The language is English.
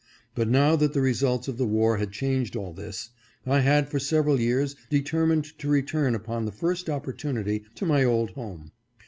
But now that the results of the war had changed all this, I had for several years determined to return, upon the first opportunity, to my old home.